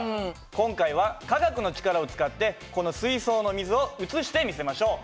今回は科学の力を使ってこの水槽の水を移してみせましょう。